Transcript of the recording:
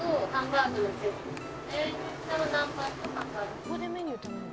「ここでメニュー頼むの？」